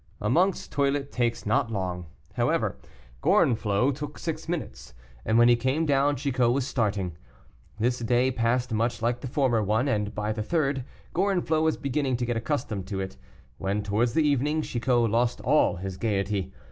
A monk's toilet takes not long; however, Gorenflot took six minutes, and when he came down Chicot was starting. This day passed much like the former one, and by the third, Gorenflot was beginning to get accustomed to it, when towards the evening, Chicot lost all his gaiety.